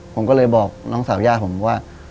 ผมก็เลยบอกน้องสาวย่าผมว่า